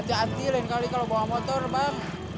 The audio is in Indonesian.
gak hati lain kali kalau bawa motor bang